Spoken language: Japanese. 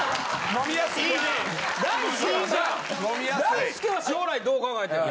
・飲みやすい・大輔は将来どう考えてんの。